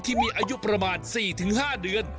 ที่มีอายุประมาณ๔๕เดือน